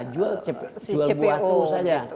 jual buah itu saja